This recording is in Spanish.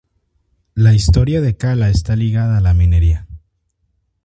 La historia de Cala está ligada a la minería.